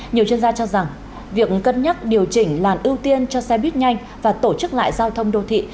nhiều chuyên gia cho rằng việc cân nhắc điều chỉnh làn ưu tiên cho xe buýt nhanh và tổ chức lại giao thông đô thị